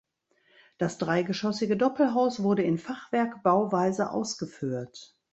Das dreigeschossige Doppelhaus wurde in Fachwerkbauweise ausgeführt.